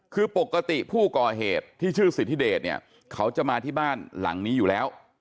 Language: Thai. คือปกติผู้ก่อเหตุที่ชื่อสิทธิเดชเนี่ยเขาจะมาที่บ้านหลังนี้อยู่แล้ว